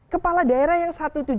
kepala daerah yang satu ratus tujuh puluh